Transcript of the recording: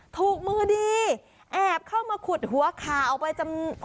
ถูกมือดีแอบเข้ามาขุดหัวข่าวออกไปจำ